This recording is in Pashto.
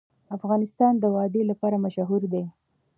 افغانستان د وادي لپاره مشهور دی.